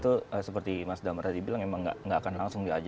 itu seperti mas damar tadi bilang emang gak akan langsung diajak